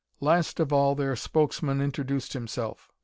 Last of all, their spokesman introduced himself.